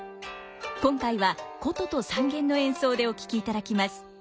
今回は箏と三絃の演奏でお聴きいただきます。